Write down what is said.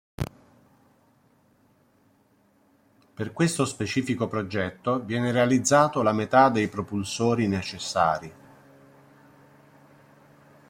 Per questo specifico progetto viene realizzato la metà dei propulsori necessari.